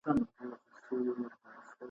بهرنۍ تګلاره یوازې د امنیت موضوع نه ده.